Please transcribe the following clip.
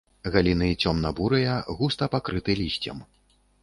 Галіны цёмна-бурыя, густа пакрыты лісцем.